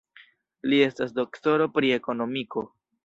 Li estas doktoro pri ekonomiko.